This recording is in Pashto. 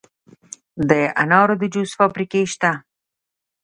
د انارو د جوس فابریکې شته.